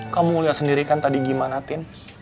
kamu lihat sendiri kan tadi gimana tin